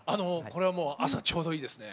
これはもう朝ちょうどいいですね